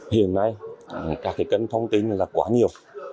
hiện nay các kênh thông tin là quá nhiều